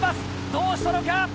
どうしたのか？